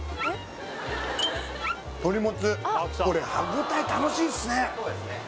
これ歯ごたえ楽しいっすね